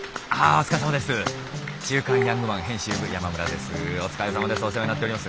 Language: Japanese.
お疲れさまです。